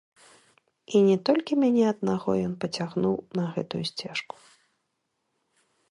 І не толькі мяне аднаго ён пацягнуў на гэтую сцежку.